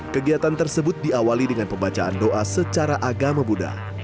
kegiatan tersebut diawali dengan pembacaan doa secara agama buddha